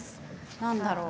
何だろう？